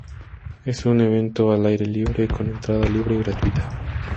Es un evento al aire libre, con entrada libre y gratuita.